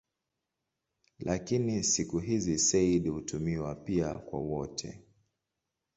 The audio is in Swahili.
Lakini siku hizi "sayyid" hutumiwa pia kwa wote.